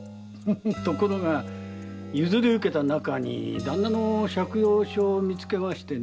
ところが譲り受けたなかに旦那の借用書を見つけましてね。